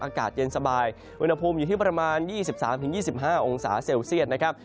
อากาศเย็นสบายอุณหภูมิอยู่ที่ประมาณ๒๓๒๕องศาเซลเซียตนะครับ